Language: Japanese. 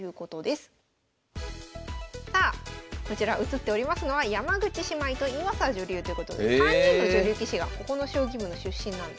さあこちら映っておりますのは山口姉妹と岩佐女流ということで３人の女流棋士がここの将棋部の出身なんです。